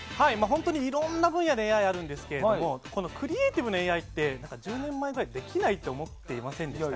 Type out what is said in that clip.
本当にいろんな分野であるんですけどクリエーティブなＡＩって１０年ぐらい前にはできないと思っていませんでした？